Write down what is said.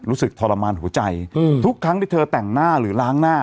ทรมานหัวใจทุกครั้งที่เธอแต่งหน้าหรือล้างหน้า